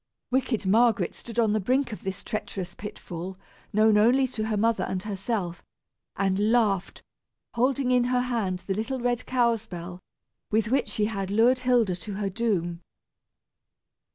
Wicked Margaret stood on the brink of this treacherous pit fall, known only to her mother and herself, and laughed, holding in her hand the little red cow's bell, with which she had lured Hilda to her doom.